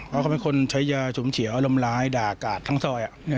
ก็ไม่ค่อยเป็นคนใช้ยาชุมเฉียวอารมณ์ร้ายด่ากาททั้งซอย